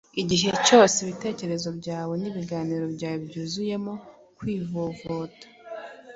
igihe cyose ibitekerezo byawe n’ibiganiro byawe byuzuyemo kwivovota.